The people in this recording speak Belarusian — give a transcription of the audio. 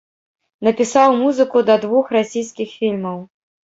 Напісаў музыку да двух расійскіх фільмаў.